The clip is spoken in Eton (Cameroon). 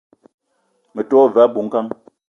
Me te wa ve abui-ngang